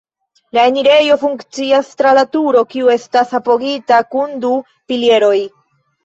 La enirejo funkcias tra la turo, kiu estas apogita kun du pilieroj.